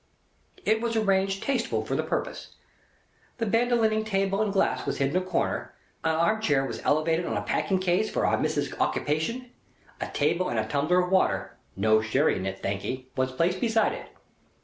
It was arranged tasteful for the purpose. The Bandolining table and glass was hid in a corner, a arm chair was elevated on a packing case for Our Missis's ockypation, a table and a tumbler of water (no sherry in it, thankee) was placed beside it.